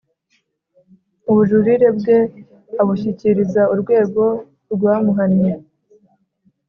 ubujurire bwe abushyikiriza urwego rwamuhannye,